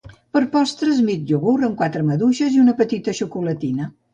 Per postres mig iogurt amb quatre maduixes i una petita xocolatina